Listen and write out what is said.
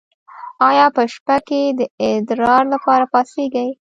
ایا په شپه کې د ادرار لپاره پاڅیږئ؟